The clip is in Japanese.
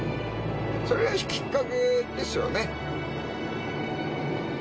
それがきっかけですよね